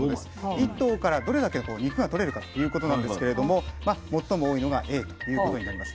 １頭からどれだけ肉が取れるかっていうことなんですけれども最も多いのがＡということになります。